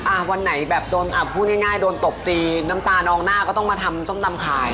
วันไหนแบบโดนอ่ะพูดง่ายโดนตบตีน้ำตานองหน้าก็ต้องมาทำส้มตำขาย